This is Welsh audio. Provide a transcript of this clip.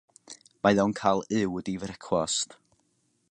Mae o'n cael uwd i frecwast.